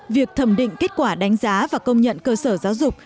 việc thẩm định kết quả đánh giá và công nhận cơ sở giáo dục